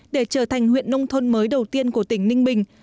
để trở thành huyện nông thôn mới đầu tiên của tỉnh ninh bình